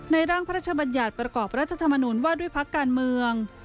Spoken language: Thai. ร่างพระราชบัญญัติประกอบรัฐธรรมนุนว่าด้วยพักการเมือง